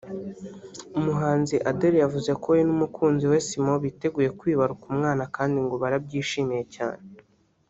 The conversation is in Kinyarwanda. umuhanzikazi Adele yavuze ko we n’umukunzi we Simon biteguye kwibaruka umwana kandi ngo barabyishimiye cyane